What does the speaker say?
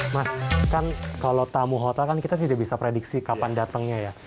mas kan kalau tamu hotel kan kita tidak bisa prediksi kapan datangnya ya